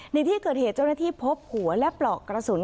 ในที่เกิดเหตุเจ้าหน้าที่พบหัวและปลอกกระสุน